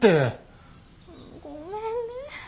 ごめんね。